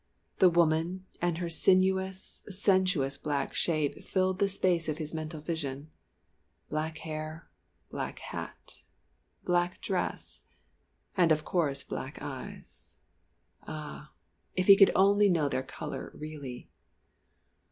The woman and her sinuous, sensuous black shape filled the space of his mental vision. Black hair, black hat, black dress and of course black eyes. Ah! if he could only know their colour really!